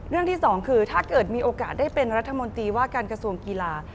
ที่สองคือถ้าเกิดมีโอกาสได้เป็นรัฐมนตรีว่าการกระทรวงกีฬา